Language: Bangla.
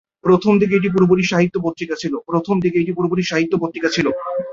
প্রথম দিকে এটি পুরোপুরি সাহিত্য পত্রিকা ছিলো।